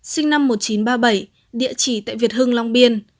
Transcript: sinh năm một nghìn chín trăm ba mươi bảy địa chỉ tại việt hưng long biên